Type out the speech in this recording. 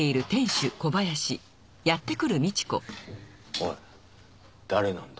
おい誰なんだ？